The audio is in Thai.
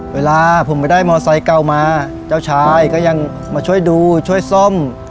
เวลาผมไปได้มอไซค์เก่ามาเจ้าชายก็ยังมาช่วยดูช่วยซ่อม